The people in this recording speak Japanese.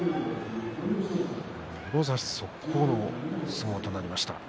もろ差し速攻の相撲となりました。